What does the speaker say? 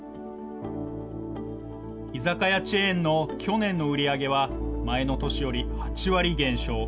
居酒屋チェーンの去年の売り上げは、前の年より８割減少。